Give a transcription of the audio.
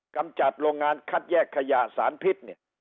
กำจัดโรงงานคัดแยกขยะสารพิษเนี่ย